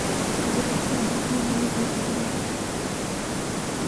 اگر اس دے آخری کونے دی گل کراں۔